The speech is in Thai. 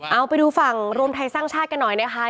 เอาไปดูฝั่งรวมไทยสร้างชาติกันหน่อยนะคะ